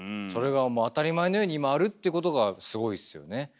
それが当たり前のように今あるってことがすごいですよね。